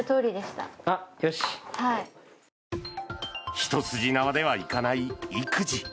一筋縄ではいかない育児。